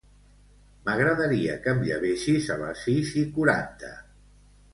M'agradaria que em llevessis a les sis i quaranta.